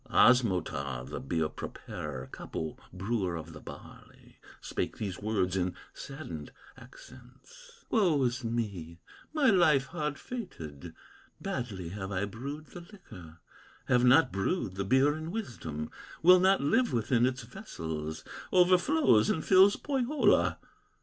"Osmotar, the beer preparer, Kapo, brewer of the barley, Spake these words in saddened accents: 'Woe is me, my life hard fated, Badly have I brewed the liquor, Have not brewed the beer in wisdom, Will not live within its vessels, Overflows and fills Pohyola!